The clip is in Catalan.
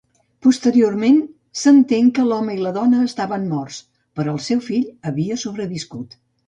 Posteriorment s'entén que l'home i la dona estaven morts però el seu fill havia sobreviscut.